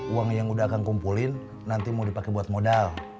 uang yang udah akan kumpulin nanti mau dipakai buat modal